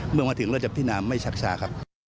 เมื่อมาถึงเราจะพินาไม่ชักชาครับ